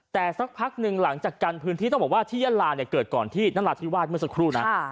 แต่สักพักหนึ่งหลังจากกันพื้นที่ต้องบอกว่าที่ยาลาเนี่ยเกิดก่อนที่นราธิวาสเมื่อสักครู่นะ